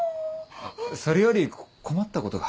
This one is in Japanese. それより困ったことが。